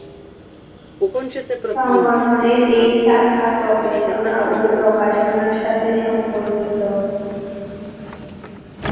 সংগঠনের এই শাখা গবেষণা ও প্রকাশনার সাথে সম্পর্কিত।